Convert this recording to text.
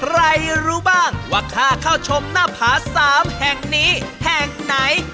รู้บ้างว่าค่าเข้าชมหน้าผา๓แห่งนี้แห่งไหน